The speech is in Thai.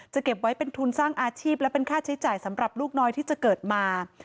เก็บไว้เป็นทุนสร้างอาชีพและเป็นค่าใช้จ่ายสำหรับลูกน้อยที่จะเกิดมา